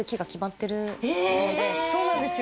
そうなんですよ